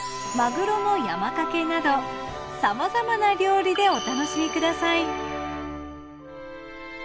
まぐろの山かけなどさまざまな料理でお楽しみください。